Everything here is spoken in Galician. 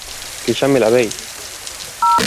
Que xa me lavei.